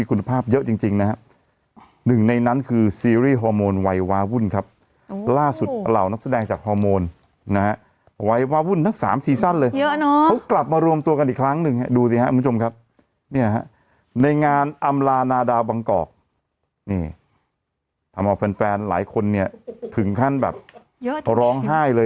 ก็คือเหมือนกับไปพบคราบเลือดบนเสื้อของคนคนหนึ่งที่อยู่บนเรือ